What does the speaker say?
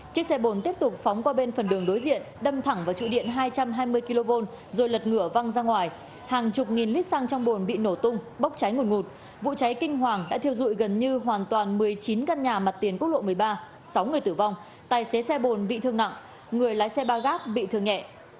chiếc xe bồn tiếp tục phóng qua bên phần đường đối diện đâm thẳng vào trụ điện hai trăm hai mươi kv rồi lật ngửa văng ra ngoài hàng chục nghìn lít xăng trong bồn bị nổ tung bốc cháy nguồn ngụt vụ cháy kinh hoàng đã thiêu dụi gần như hoàn toàn một mươi chín căn nhà mặt tiền quốc lộ một mươi ba sáu người tử vong tài xế xe bồn bị thương nặng người lái xe ba gác bị thương nhẹ